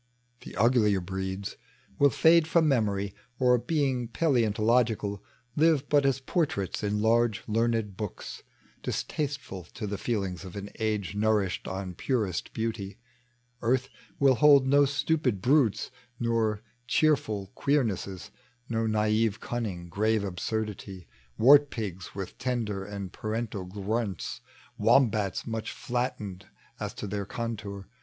The uglier breeds will fade from memory, Or, beii^ paleontologieal. Live irat as portraits in large learned books, Distasteful to the feelings of an age Nourished on purest beauty. Earth will hold No stupid brutes, no cheerful queernesses. No naive cunning, grave absurdity. Wart pigs with tender and parental grunts, Wombats much flattened as to their contour.